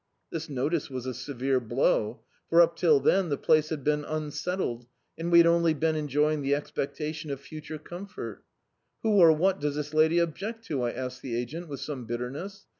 This notice was a severe blow, for, up till then, the place bad been unsettled, and we had only been enjoying the expectation of future comfort "Who^ or what does this lady object to?" I asked the agent, with some bitterness.